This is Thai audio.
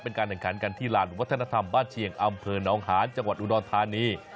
เป็นการแข่งขันกันที่ลานวัฒนธรรมบ้านเชียงอำเภอน้องหานจังหวัดอุดรธานี